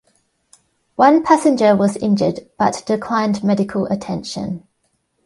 One passenger was injured, but declined medical attention.